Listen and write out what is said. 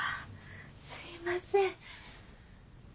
すいません。